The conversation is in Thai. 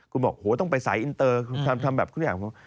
คุณบอกโหต้องไปสายอินเตอร์ทำแบบทุกอย่าง